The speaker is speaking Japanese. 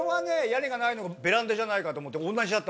屋根がないのがベランダじゃないかと思っておんなじだった。